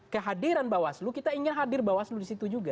kehadiran bawaslu kita ingin hadir bawaslu disitu juga